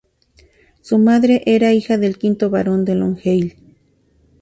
Su madre era hija del quinto Barón de Longueuil.